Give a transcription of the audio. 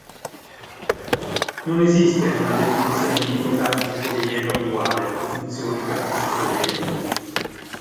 Non esiste una definizione univoca di "poliedro duale" che funzioni per tutti i poliedri.